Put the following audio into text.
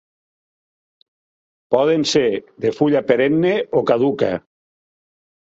Poden ser de fulla perenne o caduca.